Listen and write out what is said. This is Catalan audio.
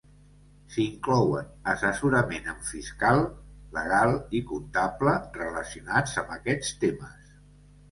S'inclouen assessorament en fiscal, legal i comptable relacionats amb aquests temes.